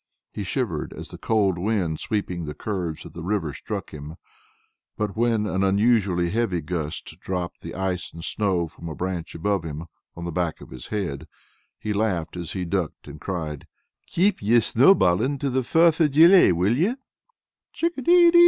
He shivered as the cold wind sweeping the curves of the river struck him; but when an unusually heavy gust dropped the ice and snow from a branch above him on the back of his head, he laughed, as he ducked and cried: "Kape your snowballing till the Fourth of July, will you!" "Chick a dee dee dee!"